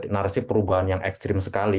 narasi perubahan yang ekstrim sekali